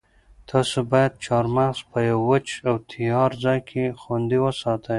تاسو باید چهارمغز په یوه وچ او تیاره ځای کې خوندي وساتئ.